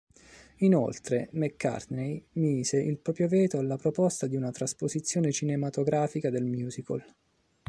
Inoltre, McCartney mise il proprio veto alla proposta di una trasposizione cinematografica del musical.